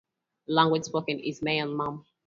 The language spoken is Mayan Mam.